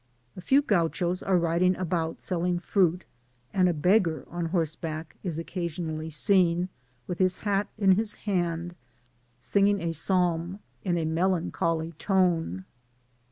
A few Gauchos are riding about, selling fruit; and a beggar on horseback is occasionally seien, with his hat in his hand^ singing a psalm in a melancholy tone.